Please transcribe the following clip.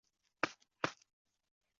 嘉靖二十二年升任户部右侍郎。